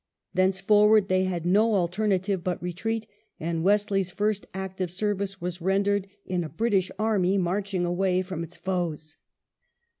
Thenceforward they had no alter native but retreat, and Wesley's first active service was rendered in a British army marching away from its foes.